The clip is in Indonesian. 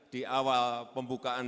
di awal pembukaan